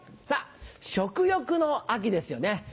食欲の秋ですよね。